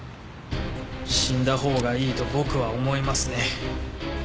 死んだほうがいいと僕は思いますね。